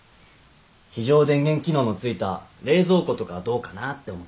非常電源機能の付いた冷蔵庫とかどうかなって思って。